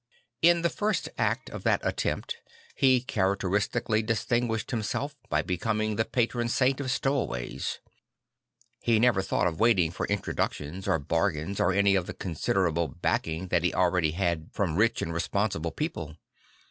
In the first act of that attempt he character istically distinguished himself by becoming the Patron Saint of Stowaways. He never thought of waiting for introductions or bargains or any of the considerable backing that he already had K 14 6 St. Francis of Assisi from rich and responsible people.